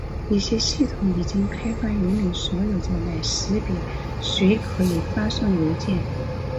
一些系统已经开发域名所有者来识别谁可以发送邮件。